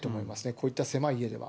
こういった狭い家では。